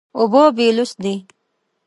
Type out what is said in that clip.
اوبه بېلوث دي.